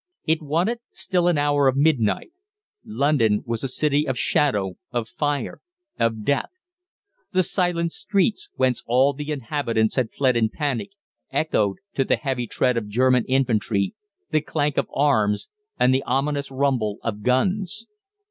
It wanted still an hour of midnight. London was a city of shadow, of fire, of death. The silent streets, whence all the inhabitants had fled in panic, echoed to the heavy tread of German infantry, the clank of arms, and the ominous rumble of guns.